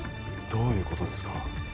どういうことですか？